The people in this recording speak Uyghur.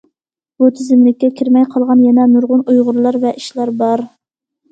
بۇ تىزىملىككە كىرمەي قالغان يەنە نۇرغۇن ئۇيغۇرلار ۋە ئىشلار بار.